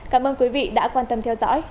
cảm ơn quý vị đã quan tâm theo dõi